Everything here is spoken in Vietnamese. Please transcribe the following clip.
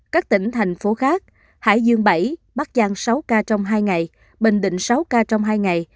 các tỉnh thành phố khác hải dương bảy bắc giang sáu ca trong hai ngày bình định sáu ca trong hai ngày